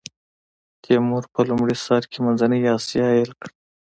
تیمور په لومړي سر کې منځنۍ اسیا ایل کړه.